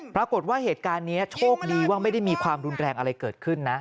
ปรากฏว่าเหตุการณ์นี้โชคดีว่าไม่ได้มีความรุนแรงอะไรเกิดขึ้นนะ